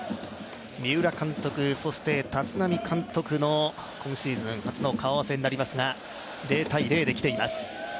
三浦監督、そして立浪監督の今シーズン初の顔合わせになりますが、０−０できています。